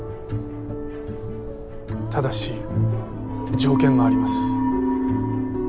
ただし条件があります。